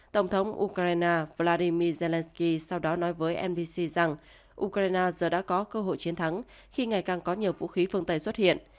tổng thống ukraine vladimir zelensky sau đó nói với mbc rằng ukraine giờ đã có cơ hội chiến thắng khi ngày càng có nhiều vũ khí phương tây xuất hiện